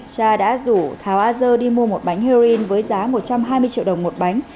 cha đã rủ thảo a dơ đi mua một bánh heroin với giá một trăm hai mươi triệu đồng một bánh